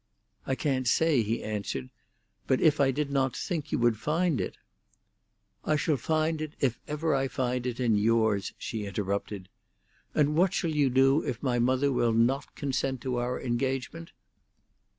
"I can't say," he answered; "but if I did not think you would find it—" "I shall find it, if ever I find it, in yours," she interrupted. "And what shall you do if my mother will not consent to our engagement?"